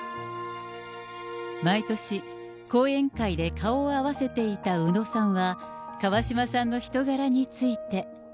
毎年、講演会で顔を合わせていた宇野さんは、川嶋さんの人柄について。